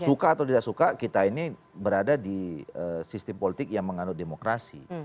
suka atau tidak suka kita ini berada di sistem politik yang menganut demokrasi